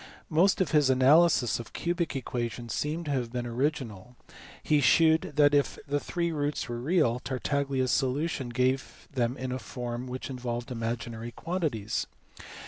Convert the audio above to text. Most of his analysis of cubic equa tions seems to have been original ; he shewed that if the three roots were real, Tartaglia s solution gave them in a form which involved imaginary quantities.